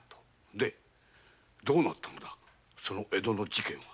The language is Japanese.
でどうなったのだその江戸の事件は？